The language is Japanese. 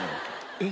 えっ？